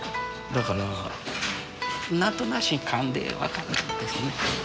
だから何となしに勘で分かるんですね。